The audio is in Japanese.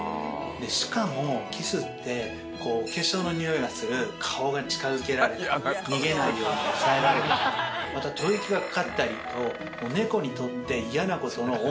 しかもキスってお化粧のにおいがする顔が近づけられたり逃げないように押さえられたりまた吐息がかかったりと猫にとって。